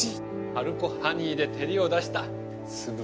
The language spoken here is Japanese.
ハルコハニーで照りを出した酢豚です。